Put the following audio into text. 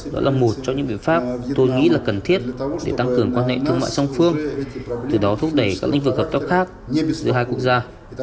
đó là một trong những biện pháp tôi nghĩ là cần thiết để tăng cường quan hệ thương mại song phương từ đó thúc đẩy các lĩnh vực hợp tác khác giữa hai quốc gia